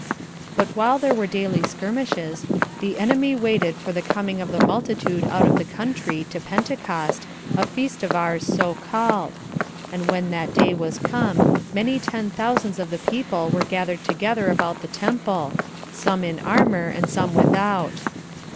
4. But while there were daily skirmishes, the enemy waited for the coming of the multitude out of the country to Pentecost, a feast of ours so called; and when that day was come, many ten thousands of the people were gathered together about the temple, some in armor, and some without.